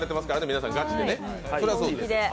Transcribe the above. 皆さんガチで。